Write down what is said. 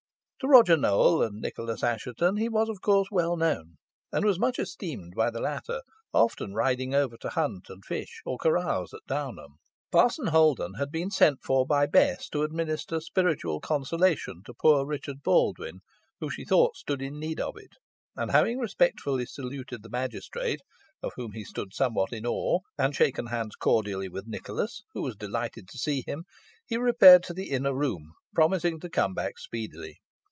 To Roger Nowell and Nicholas Assheton he was of course well known, and was much esteemed by the latter, often riding over to hunt and fish, or carouse, at Downham. Parson Holden had been sent for by Bess to administer spiritual consolation to poor Richard Baldwyn, who she thought stood in need of it, and having respectfully saluted the magistrate, of whom he stood somewhat in awe, and shaken hands cordially with Nicholas, who was delighted to see him, he repaired to the inner room, promising to come back speedily.